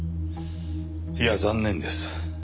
いや残念です。